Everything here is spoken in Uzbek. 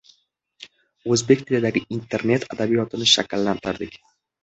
O’zbek tilidagi Internet adabiyotini shakllantirdik.